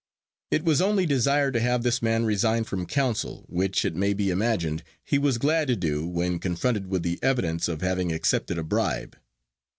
It was only desired to have this man resign from council, which, it may be imagined, he was glad to do when confronted with the evidence of having accepted a bribe.